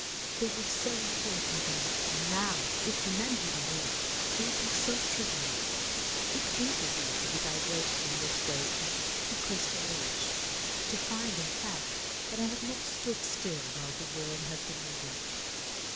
They were so important then, and now, if remembered at all, they appear so trivial! It pleases me to be diverted in this way at "A Crystal Age" to find, in fact, that I have not stood still while the world has been moving.